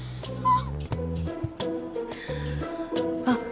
あ！